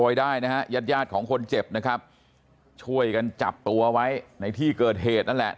ไว้ได้นะฮะญาติญาติของคนเจ็บนะครับช่วยกันจับตัวไว้ในที่เกิดเหตุนั่นแหละ